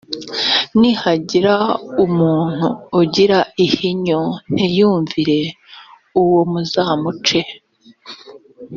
nihagira umuntu ugira ihinyu ntiyumvire uwo muzamuce